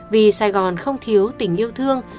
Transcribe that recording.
vì sài gòn không thiếu tình yêu thương